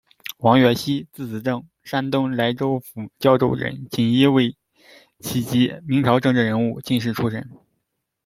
王岳锡，字子正，山东莱州府胶州人，锦衣卫旗籍，明朝政治人物、进士出身。